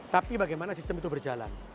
tapi bagaimana sistem itu berjalan